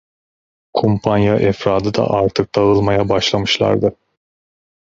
Kumpanya efradı da artık dağılmaya başlamışlardı.